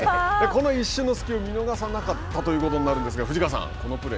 この一瞬の隙を見逃さなかったということになるんですが藤川さん